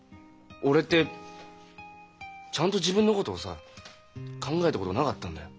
俺ってちゃんと自分のことをさ考えたことなかったんだよ。